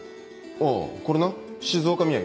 あぁこれな静岡土産。